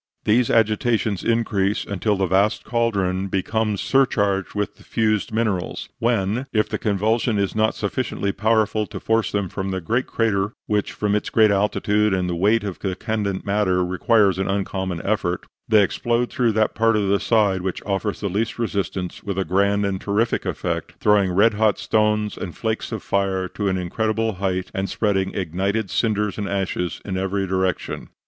These agitations increase until the vast cauldron becomes surcharged with the fused minerals, when, if the convulsion is not sufficiently powerful to force them from the great crater (which, from its great altitude and the weight of the candent matter, requires an uncommon effort), they explode through that part of the side which offers the least resistance with a grand and terrific effect, throwing red hot stones and flakes of fire to an incredible height, and spreading ignited cinders and ashes in every direction."